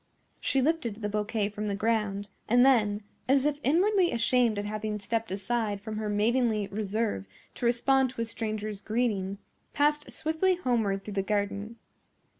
She lifted the bouquet from the ground, and then, as if inwardly ashamed at having stepped aside from her maidenly reserve to respond to a stranger's greeting, passed swiftly homeward through the garden.